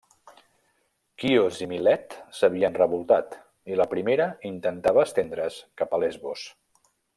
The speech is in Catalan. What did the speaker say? Quios i Milet s'havien revoltat i la primera intentava estendre's cap a Lesbos.